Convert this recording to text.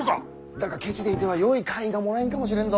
だがケチでいてはよい官位がもらえんかもしれんぞ。